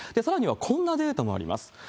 さらにはこんなデータもあります。